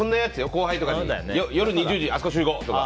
後輩とかに夜２０時あそこ集合とか。